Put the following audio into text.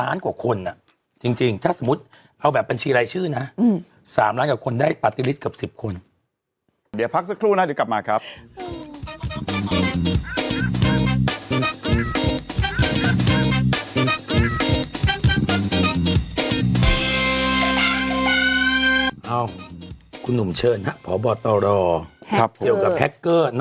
เอ้าคุณหนุ่มเชิญครับพบตรเรียกว่าแฮ็กเกอร์นายเนีย